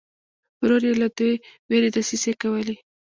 ورور یې له دې وېرې دسیسې کولې.